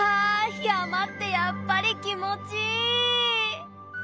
山ってやっぱり気持ちいい。